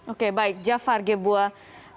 oke baik jafar gebuah